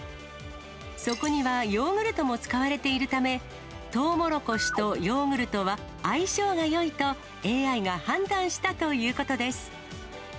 そこにはヨーグルトも使われているため、とうもろこしとヨーグルトは相性がよいとＡＩが判断したということです。